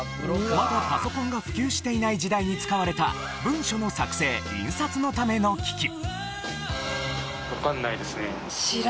まだパソコンが普及していない時代に使われた文書の作成・印刷のための機器。